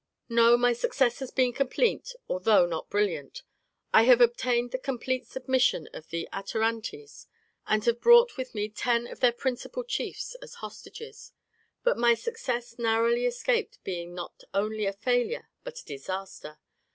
"No, my success has been complete, although not brilliant. I have obtained the complete submission of the Atarantes, and have brought with me ten of their principal chiefs as hostages; but my success narrowly escaped being not only a failure but a disaster.